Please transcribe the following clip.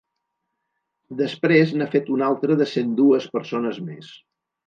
Després n’ha fet un altre de cent dues persones més.